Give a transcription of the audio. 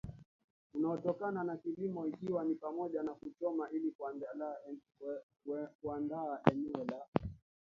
unaotokana na kilimo ikiwa ni pamoja na kuchoma ili kuandaa eneo la